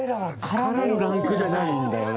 絡めるランクじゃない。